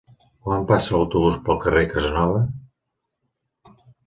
Quan passa l'autobús pel carrer Casanova?